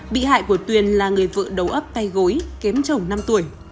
bị hại của tuyền là người vợ đầu ấp tay gối kém chồng năm tuổi